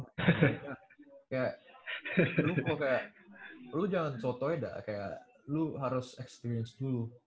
kayak lu kok kayak lu jangan soto eda kayak lu harus experience dulu